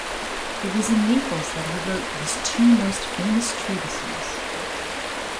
It was in Naples that he wrote his two most famous treatises.